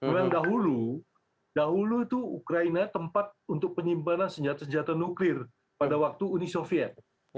karena dahulu dahulu itu ukraina tempat untuk penyimpanan senjata senjata nuklir pada waktu uni soviet